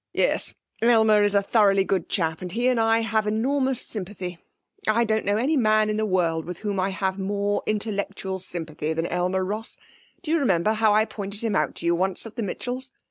Yes, Aylmer is a thoroughly good chap, and he and I have enormous sympathy. I don't know any man in the world with whom I have more intellectual sympathy than Aylmer Ross. Do you remember how I pointed him out to you at once at the Mitchells'?